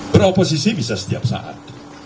beroposisi bisa setiap saat